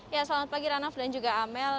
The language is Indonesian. ya selamat pagi ranaf dan juga amel